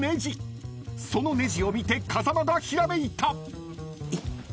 ［そのねじを見て風間がひらめいた！］